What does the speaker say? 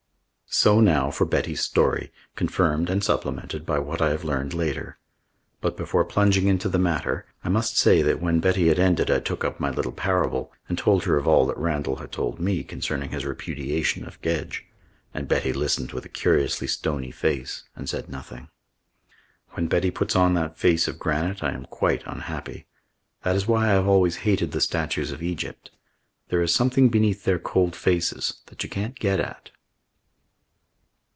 So now for Betty's story, confirmed and supplemented by what I have learned later. But before plunging into the matter, I must say that when Betty had ended I took up my little parable and told her of all that Randall had told me concerning his repudiation of Gedge. And Betty listened with a curiously stony face and said nothing. When Betty puts on that face of granite I am quite unhappy. That is why I have always hated the statues of Egypt. There is something beneath their cold faces that you can't get at.